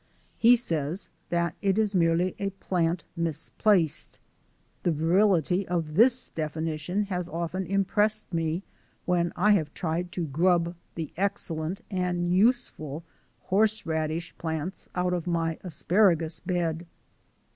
He says that it is merely a plant misplaced. The virility of this definition has often impressed me when I have tried to grub the excellent and useful horseradish plants out of my asparagus bed!